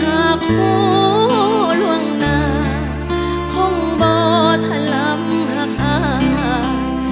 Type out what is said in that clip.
หากผู้ล่วงหน้าคงบ่ทะลำหากอ้าง